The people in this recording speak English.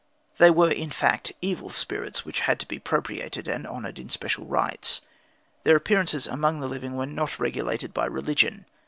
They were, in fact, evil spirits which had to be propitiated and honoured in special rites. Their appearances among the living were not regulated by religion.